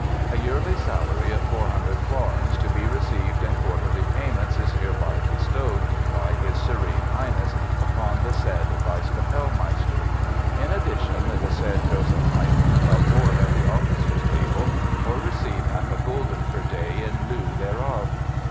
A yearly salary of 400 florins to be received in quarterly payments is hereby bestowed by his Serene Highness upon the said Vice Capellmeister. In addition, the said Joseph Heyden shall board at the officers' table, or receive half a gulden per day in lieu thereof.